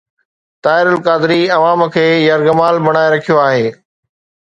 طاهر القادري عوام کي يرغمال بڻائي رکيو آهي.